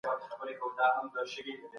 زه اوس د سبا لپاره د نوټونو بشپړونه کوم.